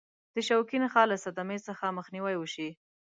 د شوکي نخاع له صدمې څخه مخنیوي وشي.